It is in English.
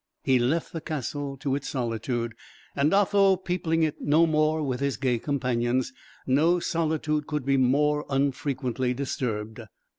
He left the castle to its solitude; and Otho peopling it no more with his gay companions, no solitude could be more unfrequently disturbed.